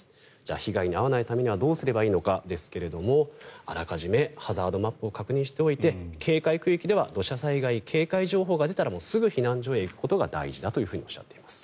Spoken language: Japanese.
被害に遭わないためにはどうすればいいのかですがあらかじめハザードマップを確認しておいて警戒区域では土砂災害警戒情報が出たらすぐ避難所へ行くことが大事だとおっしゃっています。